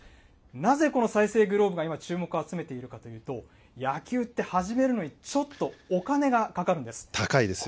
なぜこの再生グローブが今、注目を集めているかというと、野球って始めるのにちょっとお金がかか高いですよね。